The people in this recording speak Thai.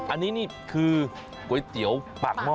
อันนี้นี่คือก๋วยเตี๋ยวปากหม้อ